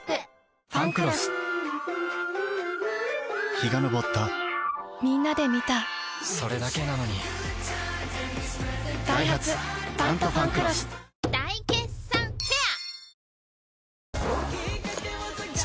陽が昇ったみんなで観たそれだけなのにダイハツ「タントファンクロス」大決算フェア